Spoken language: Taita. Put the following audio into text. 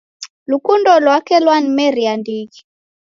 Lukundo lwake lwanimeria ndighi